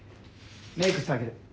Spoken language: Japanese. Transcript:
メークしてあげる。